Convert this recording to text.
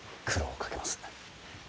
苦労をかけます。